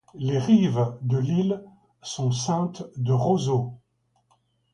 Les rives de l'île sont ceintes de roseaux.